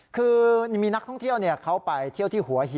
คือมีนักท่องเที่ยวเขาไปเที่ยวที่หัวหิน